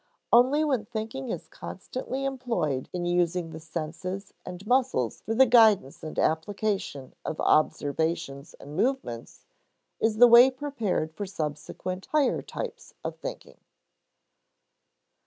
Only when thinking is constantly employed in using the senses and muscles for the guidance and application of observations and movements, is the way prepared for subsequent higher types of thinking.